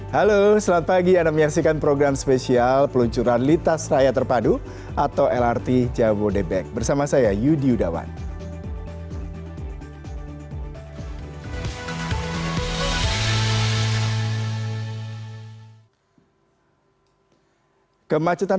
halo selamat pagi anda menyaksikan program spesial peluncuran litas raya terpadu atau lrt jawa debek bersama saya yudi udawan